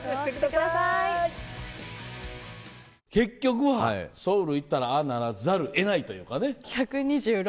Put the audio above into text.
結局はソウル行ったらああならざるを得ないというかね。